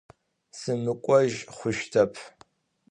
Сымыкӏожь хъущтэп.